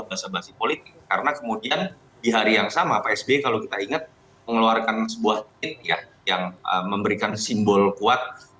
bahasa basi politik karena kemudian di hari yang sama pak sby kalau kita ingat mengeluarkan sebuah tweet ya yang memberikan simbol kuat